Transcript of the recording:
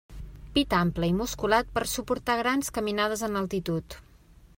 Pit ample i musculat per a suportar grans caminades en altitud.